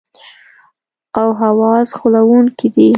او حواس غولونکي دي.